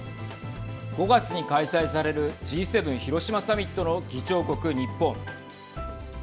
５月に開催されるＧ７広島サミットの議長国、日本。